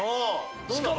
しかも。